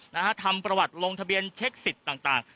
นะฮะทำประวัติลงทะเบียนเช็คสิทธิ์ต่างต่าง